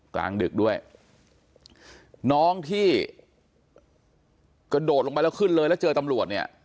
กลางดึกด้วยน้องที่กระโดดลงไปแล้วขึ้นเลยแล้วเจอตำรวจเนี่ย